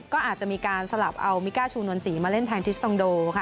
ก็อาจจะมีการสลับเอามิก้าชูนวลศรีมาเล่นแทนทิสตองโดค่ะ